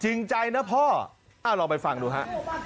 จริงใจนะพ่อลองไปฟังดูฮะ